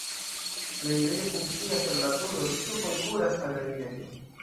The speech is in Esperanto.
La enirejo funkcias tra la turo, ŝtupoj kuras al la enirejo.